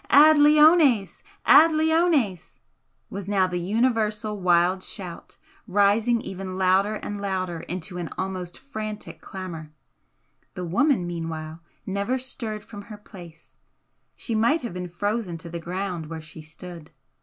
"Ad leones! Ad leones!" was now the universal wild shout, rising ever louder and louder into an almost frantic clamour. The woman meanwhile never stirred from her place she might have been frozen to the ground where she stood.